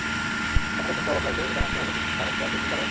কথাটা শুনতে অবাক লাগলেও এটা মানতে হবে শিক্ষার একটা বৈশ্বিক বাজার আছে।